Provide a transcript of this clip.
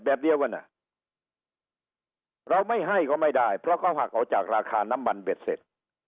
เดียวกันอ่ะเราไม่ให้ก็ไม่ได้เพราะเขาหักออกจากราคาน้ำมันเบ็ดเสร็จ